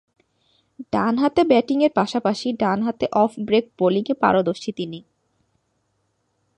ডানহাতে ব্যাটিংয়ের পাশাপাশি ডানহাতে অফ ব্রেক বোলিংয়ে পারদর্শী তিনি।